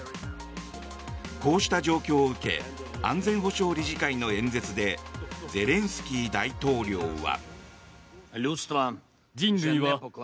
こうした状況を受け安全保障理事会の演説でゼレンスキー大統領は。